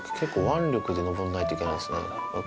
腕力で上んないといけないんですね。